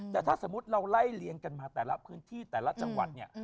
แต่ถ้าสมมุติเราไล่เลี้ยงกันมาแต่ละพื้นที่แต่ละจังหวัดเนี่ย